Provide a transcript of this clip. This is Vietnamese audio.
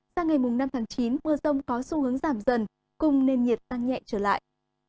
sang ngày năm tháng chín mưa rông có xu hướng giảm dần cùng nền nhiệt tăng nhẹ trở lại